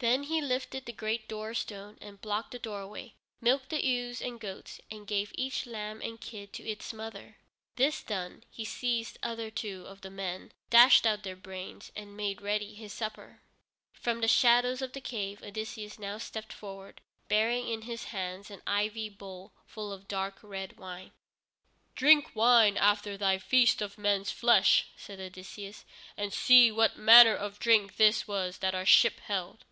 Then he lifted the great doorstone and blocked the doorway, milked the ewes and goats, and gave each lamb and kid to its mother. This done, he seized other two of the men, dashed out their brains, and made ready his supper. From the shadows of the cave Odysseus now stepped forward, bearing in his hands an ivy bowl, full of the dark red wine. "Drink wine after thy feast of men's flesh," said Odysseus, "and see what manner of drink this was that our ship held."